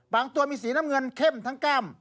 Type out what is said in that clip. ตัวมีสีน้ำเงินเข้มทั้งกล้าม